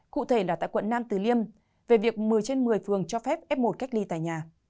cụ thể là tại quận nam từ liêm về việc một mươi trên một mươi phường cho phép f một cách ly tại nhà